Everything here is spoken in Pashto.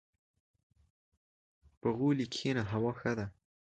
• په غولي کښېنه، هوا ښه ده.